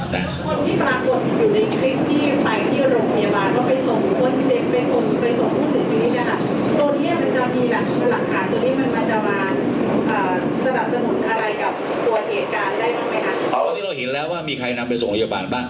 ตอนนี้เราเห็นแล้วว่ามีใครนำไปส่งโรงพยาบาลป่ะ